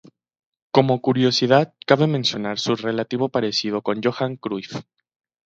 Como curiosidad cabe mencionar su relativo parecido con Johan Cruyff